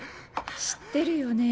知ってるよね？